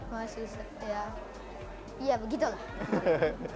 masih susah ya begitu lah